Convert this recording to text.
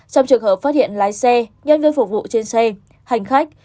trong trường hợp phát hiện lái xe nhân viên phục vụ trên xe hành khách